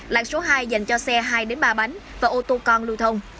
làng số hai dành cho xe hai ba bánh và ô tô con lưu thông